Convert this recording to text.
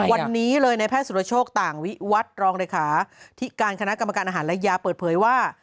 วันนี้เลยในแพทย์สุรโชคต่างวิวัตรรองเลขาที่การคณะกรรมการอาหารและยาเปิดเผยว่า